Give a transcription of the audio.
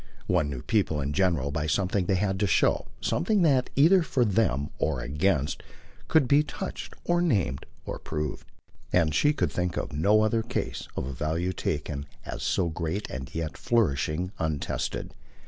One knew people in general by something they had to show, something that, either for them or against, could be touched or named or proved; and she could think of no other case of a value taken as so great and yet flourishing untested.